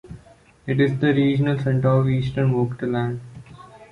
It is the regional centre of the eastern Vogtland.